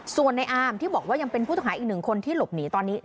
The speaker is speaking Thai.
ส่วนในอามที่บอกว่ายังเป็นผู้ต้องหาอีกหนึ่งคนที่หลบหนีตอนนี้